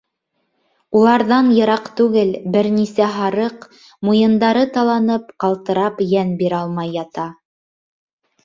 Уларҙан йыраҡ түгел бер нисә һарыҡ, муйындары таланып, ҡалтырап йән бирә алмай ята.